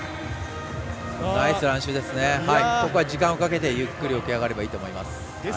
ここは時間をかけてゆっくり起き上がればいいと思います。